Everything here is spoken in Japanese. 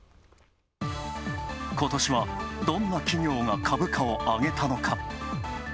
今年は、どんな企業が株価を上げたのか。